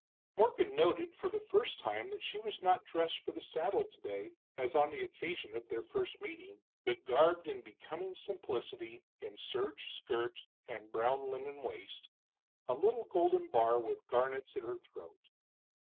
Morgan noted for the first time that she was not dressed for the saddle today as on the occasion of their first meeting, but garbed in becoming simplicity in serge skirt and brown linen waist, a little golden bar with garnets at her throat.